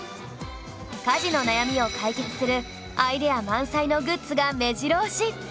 家事の悩みを解決するアイデア満載のグッズがめじろ押し！